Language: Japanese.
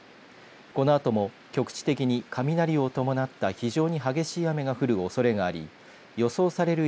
このあとも局地的に雷を伴った非常に激しい雨が降るおそれがあり予想される